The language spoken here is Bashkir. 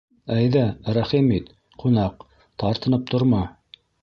Әйҙә, рәхим ит, ҡунаҡ, тартынып торма!